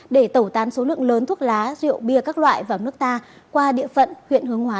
để tẩu tán số lượng lớn thuốc lá rượu bia các loại vào nước ta qua địa phận huyện hướng hóa